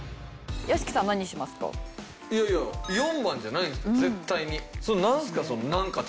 いやいや４番じゃないんですか？